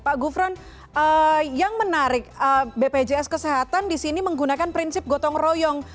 pak gufron yang menarik bpjs kesehatan di sini menggunakan prinsip gotong royong